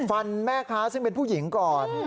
แม่ค้าซึ่งเป็นผู้หญิงก่อน